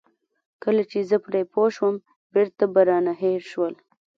کله چې زه پرې پوه شوم بېرته به رانه هېر شول.